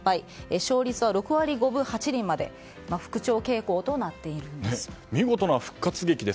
勝率は６割５分８厘まで復調傾向となっているんです。